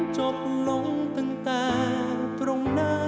จบลงตั้งแต่ตรงหน้า